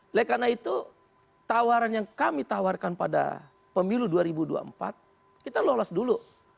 oleh karena itu tawaran yang kami tawarkan pada pemilu dua ribu dua puluh empat kita lolos dulu